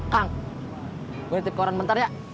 kang gue nitip koran bentar ya